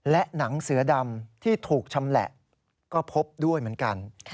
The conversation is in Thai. และหนังเสือดำที่ถูกชำแหละก็พบด้วยเหมือนกัน